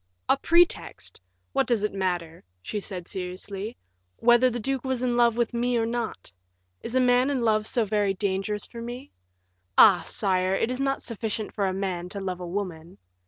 "A pretext! What does it matter," she said, seriously, "whether the duke was in love with me or not? Is a man in love so very dangerous for me? Ah! sire, it is not sufficient for a man to love a woman."